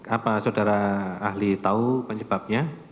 apa saudara ahli tahu penyebabnya